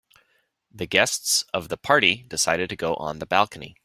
The guests of the party decided to go on the balcony.